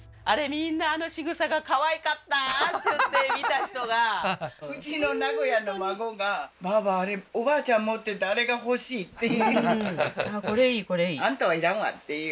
みんなあの仕草が可愛かったっちゅって見た人がうちの名古屋の孫がばぁばあれおばあちゃん持ってたあれが欲しいってこれいいこれいいあんたは要らんわって